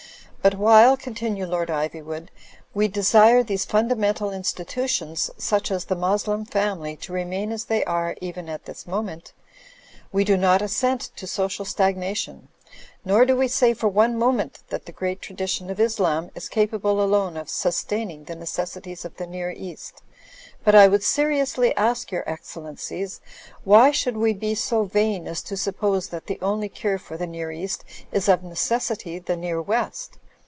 '* "But while,*' continued Lord Ivywood, "we desire these fundamental institutions, such as the Moslem family, to remain as they are even at this moment, wie do not assent to social stagnation. Nor do we say for one moment that the great tradition of Islam is capable alone of sustaining the necessities of the Near East. But I would seriously ask your Excellencies, why shotdd we be so vain as to suppose that the only cure for the Near East is of necessity the Near West?